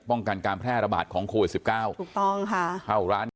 ป้องกันการแพร่ระบาดของโควิด๑๙ถูกต้องค่ะ